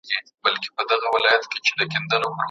ماشوم د انا د غوسې له امله وېرېدلی و.